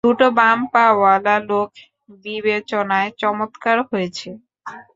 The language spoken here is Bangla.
দুটো বাম পা ওয়ালা লোক বিবেচনায় চমৎকার হয়েছে।